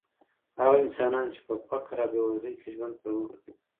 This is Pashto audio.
هغه انسانان چې په فقر او بېوزلۍ کې ژوند پرمخ وړي.